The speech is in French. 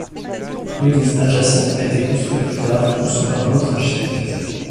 L'église adjacente a été construite plus tard, conçue par un autre architecte.